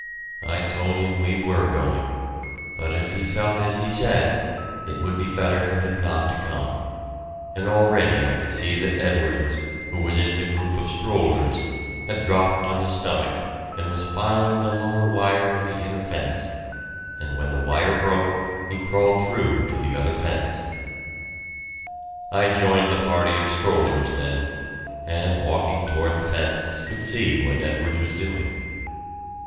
I told him we were going, but if he felt as he said, it would be better for him not to come, and already I could see that Edwards, who was in the group of strollers, had dropped on his stomach and was filing the lower wire of the inner fence, and when the wire broke he crawled through to the other fence. I joined the party of strollers then, and walking toward the fence, could see what Edwards was doing.